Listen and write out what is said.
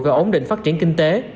và ổn định phát triển kinh tế